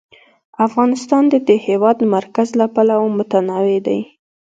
افغانستان د د هېواد مرکز له پلوه متنوع دی.